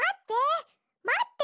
まって！